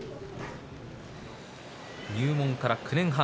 入門から９年半。